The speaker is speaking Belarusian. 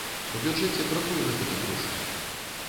У бюджэце бракуе на гэта грошай.